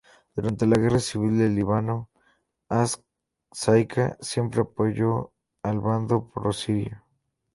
Durante la Guerra Civil del Líbano, "As-Saika" siempre apoyó al bando pro-sirio.